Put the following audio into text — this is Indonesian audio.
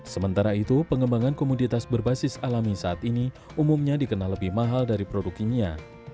sementara itu pengembangan komoditas berbasis alami saat ini umumnya dikenal lebih mahal dari produk kimia